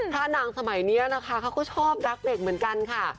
นางสมัยนี้นะคะเขาก็ชอบรักเด็กเหมือนกันค่ะ